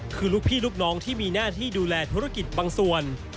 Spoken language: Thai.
คือลูกพี่ลูกน้องที่มีหน้าที่ดูแลธุรกิจบางส่วน